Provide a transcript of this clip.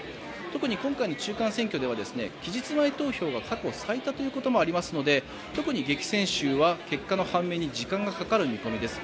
特に今回の中間選挙では期日前投票が過去最多ということもありますので、特に激戦州は結果の判明に時間がかかる見込みです。